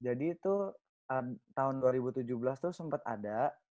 jadi itu tahun dua ribu tujuh belas tuh sempet ada